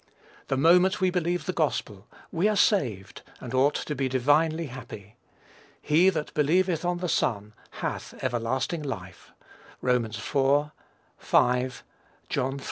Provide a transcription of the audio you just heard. The moment we believe the gospel, we are saved, and ought to be divinely happy. "He that believeth on the Son hath everlasting life." (Rom. iv. v.; John iii.)